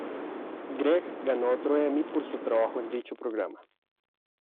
Greg ganó otro Emmy por su trabajo en dicho programa.